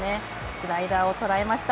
スライダーを捉えました。